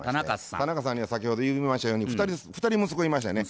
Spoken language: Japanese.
田中さんには先ほど言いましたように２人息子いましてね。